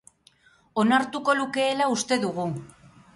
Onartuko lukeela uste dugu.